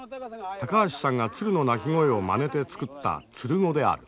高橋さんが鶴の鳴き声をまねて作った鶴語である。